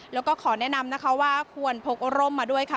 แล้วก็ขอแนะนำนะคะว่าควรพกร่มมาด้วยค่ะ